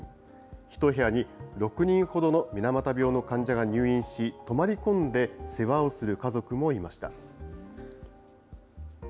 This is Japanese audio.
１部屋に６人ほどの水俣病の患者が入院し、泊まり込んで世話をする家族もいました。